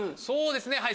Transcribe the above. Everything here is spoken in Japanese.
そうですね